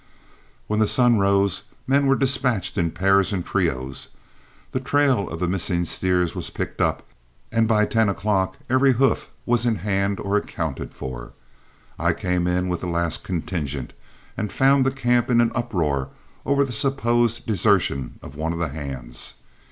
When the sun rose, men were dispatched in pairs and trios, the trail of the missing steers was picked up, and by ten o'clock every hoof was in hand or accounted for. I came in with the last contingent and found the camp in an uproar over the supposed desertion of one of the hands.